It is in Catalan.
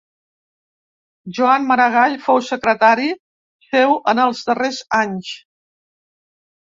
Joan Maragall fou secretari seu en els darrers anys.